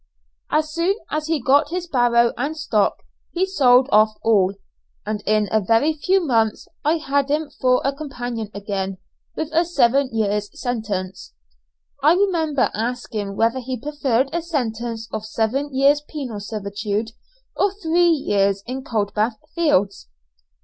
As soon as he got his barrow and stock he sold all off, and in a very few months I had him for a companion again, with a seven years' sentence. I remember asking whether he preferred a sentence of seven years' penal servitude, or three years in Coldbath Fields?